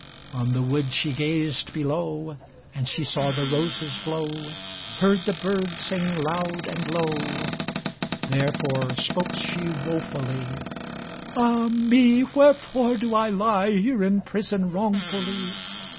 On the wood she gazed below, And she saw the roses blow, Heard the birds sing loud and low, Therefore spoke she woefully: "Ah me, wherefore do I lie Here in prison wrongfully?